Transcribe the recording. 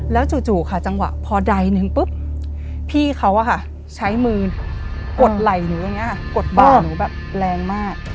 แล้วจู่ค่ะจังหวะพอใดหนึ่งปุ๊บพี่เขาใช้มือกดไหล่หนูอย่างนี้กดบ่าหนูแบบแรงมาก